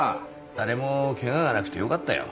誰も怪我がなくてよかったよ。